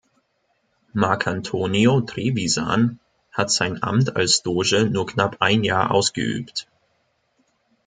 Marcantonio Trevisan hat sein Amt als Doge nur knapp ein Jahr ausgeübt.